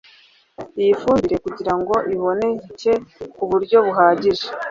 Iyi fumbire kugira ngo iboneke ku buryo buhagije